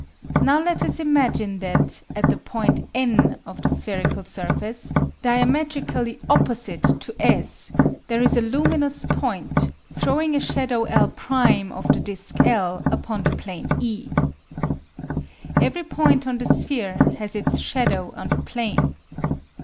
Now let us imagine that at the point N of the spherical surface, diametrically opposite to S, there is a luminous point, throwing a shadow L' of the disc L upon the plane E. Every point on the sphere has its shadow on the plane.